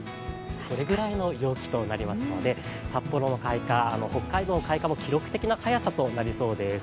それぐらいの陽気となりますので、札幌の開花、北海道の開花も記録的な早さとなりそうです。